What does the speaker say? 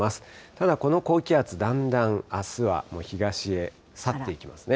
ただ、この高気圧、だんだんあすは東へ去っていきますね。